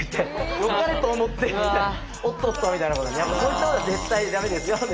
よかれと思ってみたいなおっとっとみたいなことはそういったことは絶対ダメですよで。